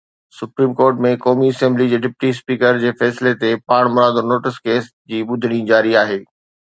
Supreme court ۾ قومي assembly جي deputy speaker جي فيصلي تي پاڻمرادو نوٽيس ڪيس جي ٻڌڻي جاري آهي.